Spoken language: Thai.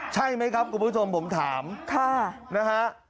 ใช่ไหมครับคุณผู้ชมผมถามนะฮะ